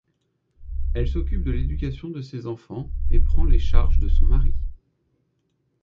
Elle s'occupe de l'éducation de ses enfants et prend les charges de son mari.